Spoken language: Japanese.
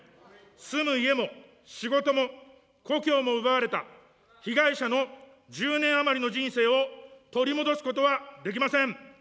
住む家も仕事も故郷も奪われた被害者の１０年余りの人生を取り戻すことはできません。